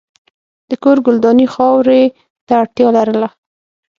د کور ګلداني خاورې ته اړتیا لرله.